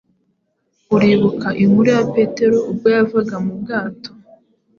Uribuka inkuru ya Petero ubwo yavaga mu bwato